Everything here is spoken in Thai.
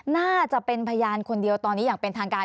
น่าจะเป็นพยานคนเดียวตอนนี้อย่างเป็นทางการ